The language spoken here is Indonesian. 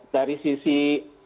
dari sisi aplikasi